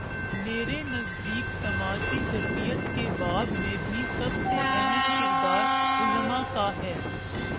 میرے نزدیک سماجی تربیت کے باب میں بھی سب سے اہم کردار علما کا ہے۔